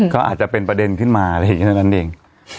เขาอาจจะเป็นประเด็นขึ้นมาอะไรอย่างนั้นเอง